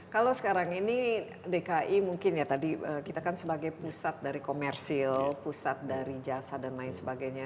kalau sekarang ini dki mungkin ya tadi kita kan sebagai pusat dari komersil pusat dari jasa dan lain sebagainya